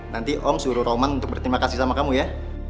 nanti om suruh roman untuk berterima kasih sama kamu ya